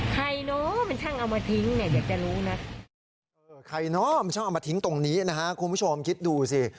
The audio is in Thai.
ไขน้อมช่อเอามาทิ้งตรงนี้นะครับประชุมคิดดูซิ